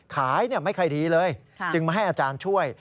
ขายไม่ค่อยดีเลยจึงมาให้อาจารย์ช่วย